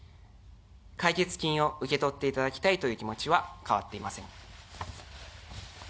解決金を受け取っていただきたいという気持ちは変わっていません。